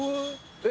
えっ？